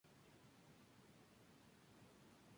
Es muy tradicional servirlo como típico dulce de carnaval.